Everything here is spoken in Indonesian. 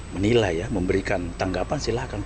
menilai ya memberikan tanggapan silahkan